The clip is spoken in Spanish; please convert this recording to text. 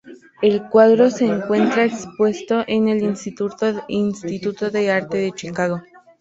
El cuadro se encuentra expuesto en el Instituto de Arte de Chicago.